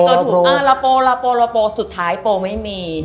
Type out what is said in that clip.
ตั๋วถูกระโปรสุดท้ายโปรไม่มี